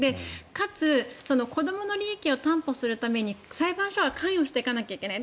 かつ子どもの利益を担保するために裁判所は関与していかないといけない。